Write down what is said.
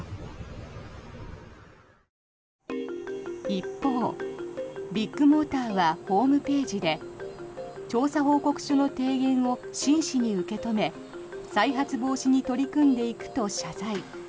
一方、ビッグモーターはホームページで調査報告書の提言を真摯に受け止め再発防止に取り組んでいくと謝罪。